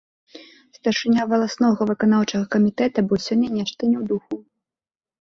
Старшыня валаснога выканаўчага камітэта быў сёння нешта не ў духу.